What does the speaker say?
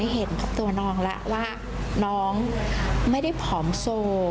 เห็นกับตัวน้องแล้วว่าน้องไม่ได้ผอมโซ